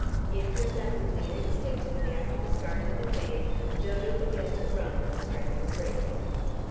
Imperceptibly and instinctively after the start had been made Dodo began to run in the strenuous race again.